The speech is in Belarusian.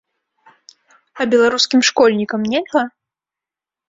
А беларускім школьнікам нельга?